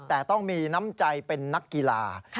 แต่ต้องมีน้ำใจเป็นนักกีฬา